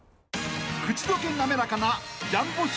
［口溶け滑らかな］